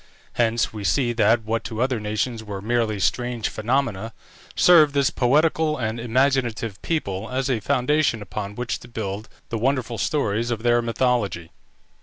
Hence we see that what to other nations were merely strange phenomena, served this poetical and imaginative people as a foundation upon which to build the wonderful stories of their mythology.